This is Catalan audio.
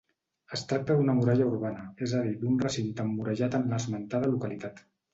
Es tracta d'una muralla urbana, és a dir d'un recinte emmurallat en l'esmentada localitat.